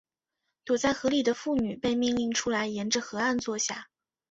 躲在河里的妇女被命令出来沿着河岸坐下。